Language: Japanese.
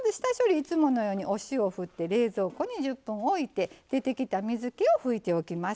いつものようにお塩振って冷蔵庫に１０分おいて出てきた水けを拭いておきます。